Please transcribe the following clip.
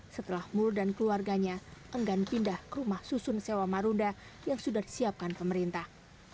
setelah mul dan keluarganya enggan pindah ke rumah susun sewa marunda yang sudah disiapkan pemerintah